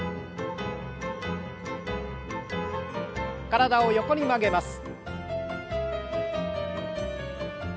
体を横に曲げます。